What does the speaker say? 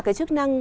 cái chức năng